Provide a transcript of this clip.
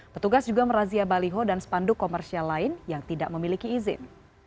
petugas juga merazia baliho dan spanduk komersial lain yang tidak memiliki izin